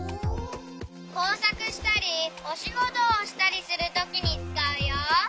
こうさくしたりおしごとをしたりするときにつかうよ。